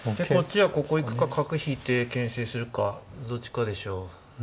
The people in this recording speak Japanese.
こっちはここ行くか角引いてけん制するかどっちかでしょう。